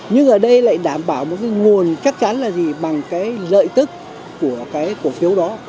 nhưng ở đây lại đảm bảo một cái nguồn chắc chắn là gì bằng cái lợi tức của cái cổ phiếu đó